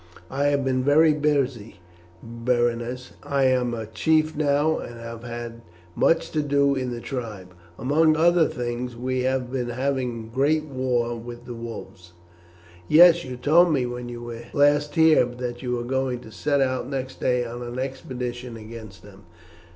"I have been very busy, Berenice. I am a chief now, and have had much to do in the tribe. Among other things we have been having great war with the wolves." "Yes, you told me when you were last here that you were going to set out next day on an expedition against them."